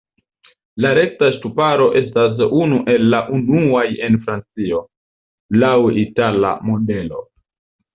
La rekta ŝtuparo estas unu el la unuaj en Francio, laŭ itala modelo.